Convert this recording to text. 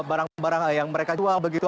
barang barang yang mereka jual begitu